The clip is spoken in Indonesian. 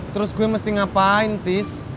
terus gue mesti ngapain tis